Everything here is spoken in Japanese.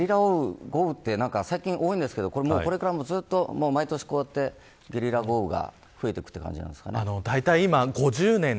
でも、ゲリラ豪雨って、最近多いんですけどこれからもずっと毎年こうやってゲリラ豪雨が増えていくという感じなんですかね。